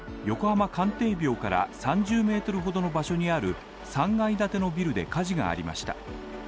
横浜関帝廟から３０ｍほどの場所にある３階建てのビルで火事がありました。